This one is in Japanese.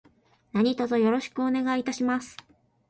何卒よろしくお願いいたします。